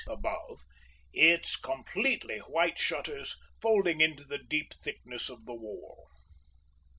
above, its completely white shutters folding into the deep thickness of the wall.